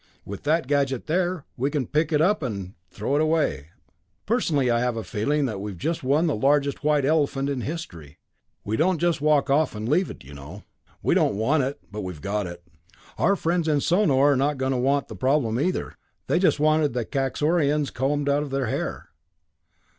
With that gadget there, we can pick it up and throw it away. "Personally, I have a feeling that we've just won the largest white elephant in history. We don't just walk off and leave it, you know. We don't want it. But we've got it. "Our friends in Sonor are not going to want the problem either; they just wanted the Kaxorians combed out of their hair.